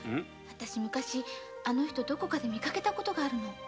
私昔あの人をどこかで見かけた事がある。